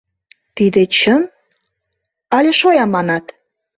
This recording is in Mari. Тиде чын, але шоя манат?